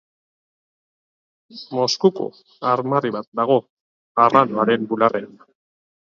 Moskuko armarri bat dago arranoaren bularrean.